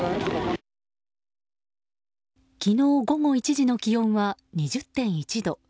昨日午後１時の気温は２０．１度。